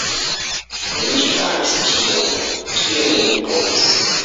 Mi faris ĉion, kion mi povis.